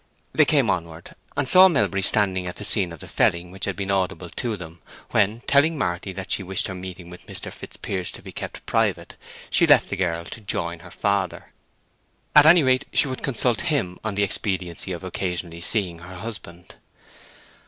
They came onward, and saw Melbury standing at the scene of the felling which had been audible to them, when, telling Marty that she wished her meeting with Mr. Fitzpiers to be kept private, she left the girl to join her father. At any rate, she would consult him on the expediency of occasionally seeing her husband.